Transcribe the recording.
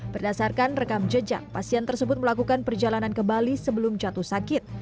berdasarkan rekam jejak pasien tersebut melakukan perjalanan ke bali sebelum jatuh sakit